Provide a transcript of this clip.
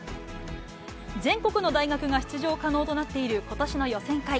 全国の大学が出場可能となっていることしの予選会。